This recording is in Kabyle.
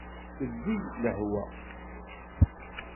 Tewwi lehwa.